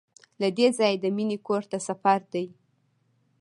له دې ځایه د مینې کور ته سفر دی.